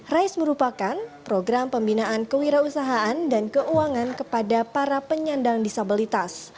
rice merupakan program pembinaan kewirausahaan dan keuangan kepada para penyandang disabilitas